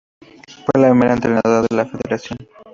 Fue la primera entrenadora de la Federación.